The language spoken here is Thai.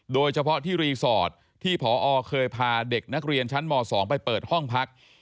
โดยเฉพาะที่รีสอร์ทที่พอเคยพาเด็กนักเรียนชั้นม๒ไปเปิดห้องพัก